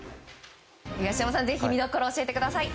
東山さん、ぜひ見どころを教えてください。